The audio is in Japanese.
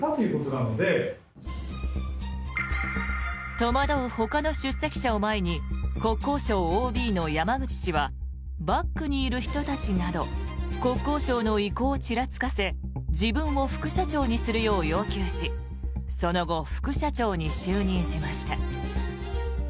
戸惑うほかの出席者を前に国交省ＯＢの山口氏はバックにいる人たちなど国交省の威光をちらつかせ自分を副社長にするよう要求しその後、副社長に就任しました。